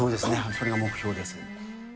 それが目標です。